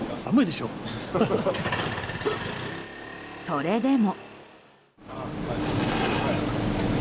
それでも。